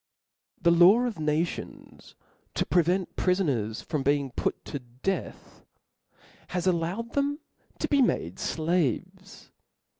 The law or naribns, to prevent prifoners from be *^^^'' ing put to death, has allowed 'them to be made flaves.